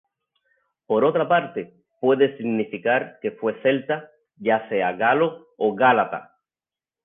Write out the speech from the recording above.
Por otra parte, puede significar que fue celta, ya sea galo o gálata.